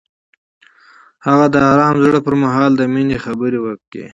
هغه د آرام زړه پر مهال د مینې خبرې وکړې.